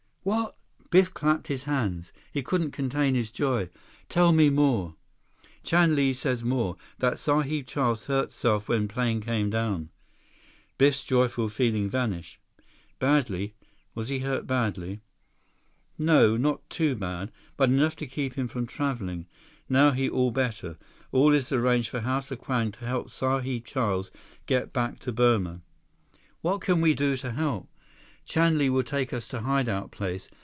"What!" Biff clapped his hands. He couldn't contain his joy. "Tell me more." "Chan Li says more, that Sahib Charles hurt self when plane come down." Biff's joyful feeling vanished. "Badly? Was he hurt badly?" 142 "No. Not too bad. But enough to keep him from traveling. Now he all better. All is arranged for House of Kwang to help Sahib Charles get back to Burma." "What can we do to help?" "Chan Li will take us to hide out place.